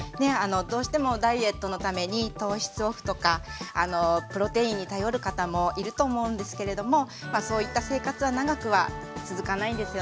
どうしてもダイエットのために糖質オフとかプロテインに頼る方もいると思うんですけれどもそういった生活は長くは続かないんですよね。